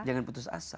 jangan putus asa